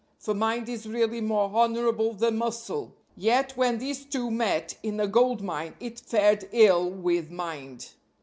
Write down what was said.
For mind is really more honorable than muscle, yet when these two met in a gold mine it fared ill with mind.